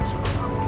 nah unik smartfile